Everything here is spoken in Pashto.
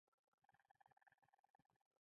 ایا زه باید بروتونه پریږدم؟